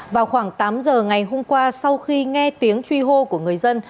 vào khoảng tám giờ ngày hôm qua sau khi nghe tiếng truy hô của người dân